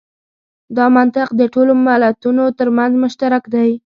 دا منطق د ټولو ملتونو تر منځ مشترک دی.